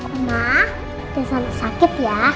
mama jangan sakit ya